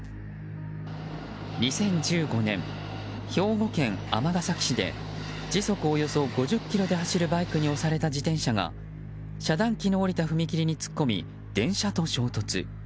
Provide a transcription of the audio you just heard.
２０１５年、兵庫県尼崎市で時速およそ５０キロで走るバイクに押された自転車が遮断機の下りた踏切に突っ込み電車と衝突。